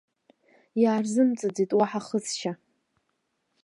Иаарзымҵаӡеит уаҳа ахысшьа!